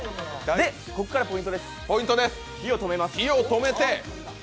ここからポイントです火を止めます。